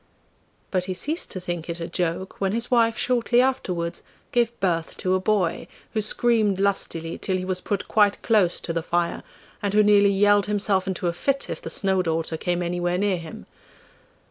But he ceased to think it a joke when his wife shortly afterwards gave birth to a boy, who screamed lustily till he was put quite close to the fire, and who nearly yelled himself into a fit if the Snow daughter came anywhere near him.